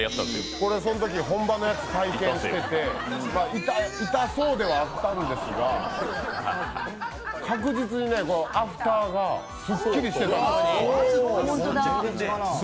これそのとき本場のやつ体験してて、痛そうではあったんですが確実に、アフターがスッキリしてたんです。